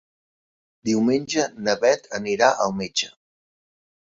Diumenge na Beth anirà al metge.